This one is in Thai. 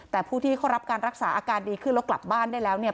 แต่ผู้ที่เขารับการรักษาอาการดีขึ้นแล้วกลับบ้านได้แล้วเนี่ย